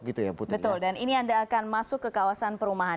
betul dan ini anda akan masuk ke kawasan perumahan